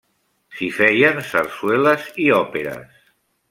S'hi feien sarsueles i òperes.